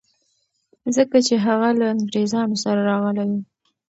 ځکه چي هغه له انګریزانو سره راغلی و.